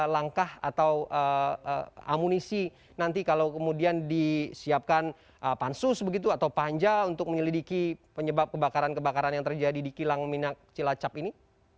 langkah atau amunisi nanti kalau kemudian disiapkan pansus begitu atau panja untuk menyelidiki penyebab kebakaran kebakaran yang terjadi di kilang minyak cilacap ini